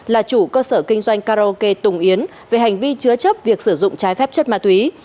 là chủ cơ sở kinh doanh karaoke tùng yến về hành vi chứa chấp việc sử dụng trái phép chất ma túy